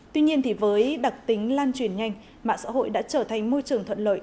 tuy nhiên với đặc tính lan truyền nhanh mạng xã hội đã trở thành môi trường thuận lợi